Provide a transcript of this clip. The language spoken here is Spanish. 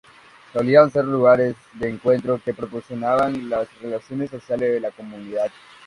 Solían ser lugares de encuentro que propiciaban las relaciones sociales de la comunidad.